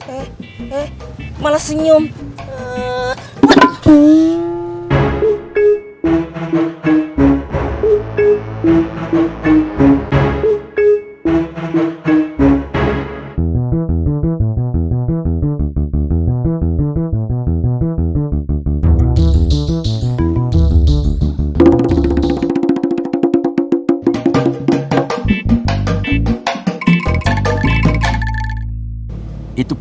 eh eh malah senyum